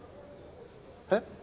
えっ！？